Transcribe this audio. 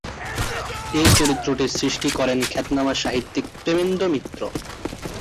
এই চরিত্রটি সৃষ্টি করেন খ্যাতনামা সাহিত্যিক প্রেমেন্দ্র মিত্র।